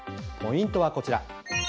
ポイントはこちら。